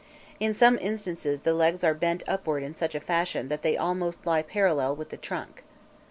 In some instances the legs are bent upward in such a fashion that they almost lie parallel with the trunk.